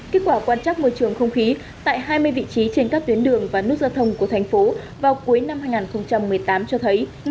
kết quả quan trắc môi trường không khí tại hai mươi vị trí trên các tuyến đường và nút giao thông của thành phố vào cuối năm hai nghìn một mươi tám cho thấy